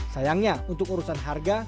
sayangnya untuk urusan harga